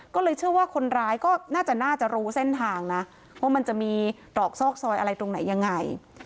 ก็เลยเชื่อว่าคนร้ายก็น่าจะน่าจะรู้เส้นทางนะว่ามันจะมีตรอกซอกซอยอะไรตรงไหนยังไง